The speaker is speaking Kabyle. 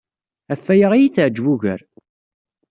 Ɣef waya ay iyi-teɛjeb ugar.